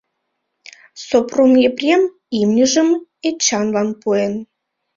Сопром Епрем имньыжым Эчанлан пуэн.